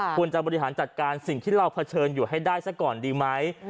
ควรจะบริหารจัดการสิ่งที่เราเผชิญอยู่ให้ได้ซะก่อนดีไหม